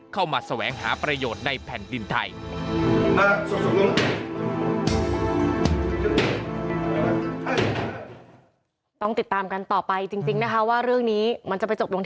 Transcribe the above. แสวงหาประโยชน์ในแผ่นดินไทย